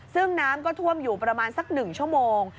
ซึ่งน้ำก็ท่วมอยู่ประมาณสัก๑ชั่วโมง